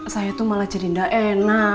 saya tuh malah jadi ga enak